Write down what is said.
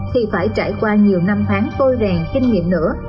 thì phải trải qua nhiều năm tháng tôi rèn kinh nghiệm nữa